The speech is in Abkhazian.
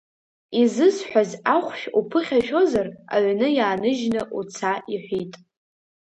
Изысҳәаз ахәшә уԥыхьашәозар, аҩны иааныжьны уца иҳәит.